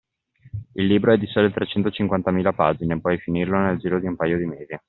Il libro è di sole trecentocinquantamila pagine, puoi finirlo nel giro di un paio di mesi.